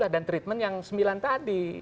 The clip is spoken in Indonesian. dan treatment yang sembilan tadi